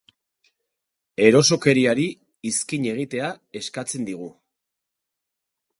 Erosokeriari izkin egitea eskatzen digu.